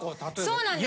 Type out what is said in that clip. そうなんです。